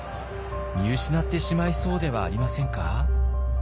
見失ってしまいそうではありませんか？